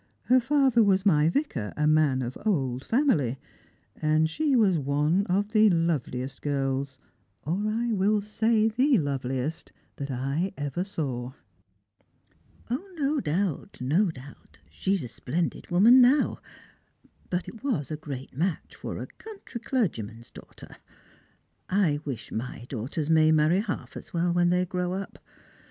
Her father was my vicar — a man of old family ; and she was one of the loveliest girls, or I will say the loveliest, I ever saw." " No doubt — no doubt ; she's a splendid woman now. But it was a great match for a country clergyman's daughter. I wish iny daughters may marry half as well when they grow up.